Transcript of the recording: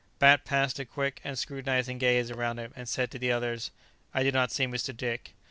Bat passed a quick and scrutinizing gaze around him, and said to the others, "I do not see Mr. Dick."